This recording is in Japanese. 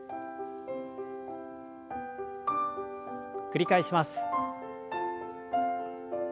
繰り返します。